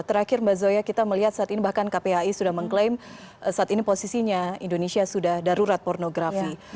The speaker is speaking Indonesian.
terakhir mbak zoya kita melihat saat ini bahkan kpai sudah mengklaim saat ini posisinya indonesia sudah darurat pornografi